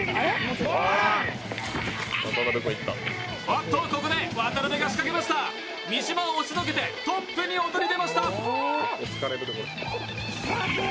おっと、ここで渡辺が仕掛けました三島を押しのけてトップに躍り出ました。